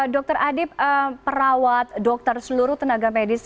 dokter adib perawat dokter seluruh tenaga medis